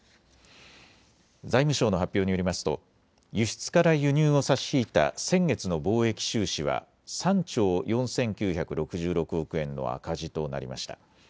財務省の発表によりますと輸出から輸入を差し引いた先月の貿易収支は３兆４９６６億円の赤字となりました。